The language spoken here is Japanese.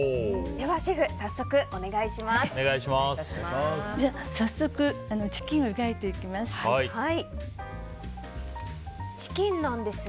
ではシェフ、早速お願いします。